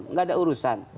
tidak ada urusan